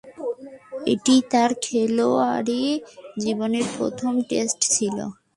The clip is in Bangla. এটিই তার খেলোয়াড়ী জীবনের একমাত্র টেস্ট ছিল।